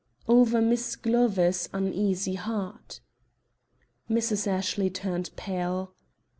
"Over Miss Glover's uneasy heart." Mrs. Ashley turned pale.